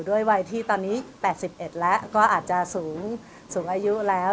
ด้วยวัยที่ตอนนี้๘๑แล้วก็อาจจะสูงอายุแล้ว